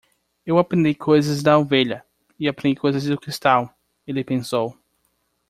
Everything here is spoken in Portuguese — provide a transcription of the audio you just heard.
Eu aprendi coisas da ovelha? e aprendi coisas do cristal? ele pensou.